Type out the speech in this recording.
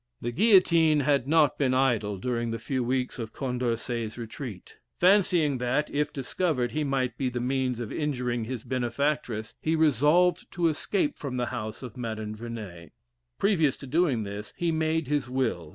The guillotine had not been idle during the few weeks of Condorcet's retreat. Fancying that (if discovered) he might be the means of injuring his benefactress, he resolved to escape from the house of Madame Vernet. Previous to doing this, he made his will.